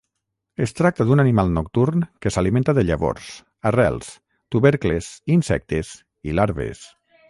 Es tracta d'un animal nocturn que s'alimenta de llavors, arrels, tubercles, insectes i larves.